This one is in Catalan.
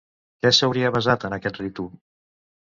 Què s'hauria basat en aquest ritu?